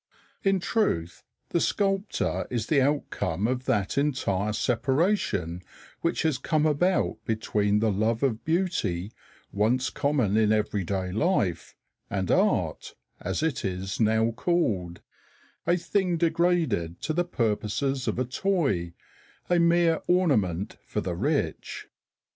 In truth, the sculptor is the outcome of that entire separation which has come about between the love of beauty, once common in everyday life, and art, as it is now called a thing degraded to the purposes of a toy, a mere ornament for the rich.